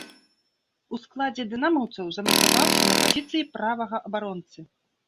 У складзе дынамаўцаў замацаваўся на пазіцыі правага абаронцы.